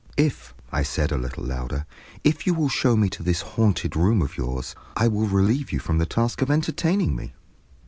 "If," I said, a little louder, "if you will show me to this haunted room of yours, I will relieve you from the task of entertaining me."